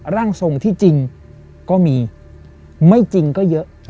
ร่างทรงที่จริงก็มีไม่จริงก็เยอะ